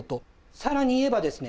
更に言えばですね